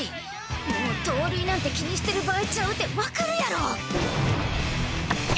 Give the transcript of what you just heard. もう盗塁なんて気にしてる場合ちゃうて分かるやろ！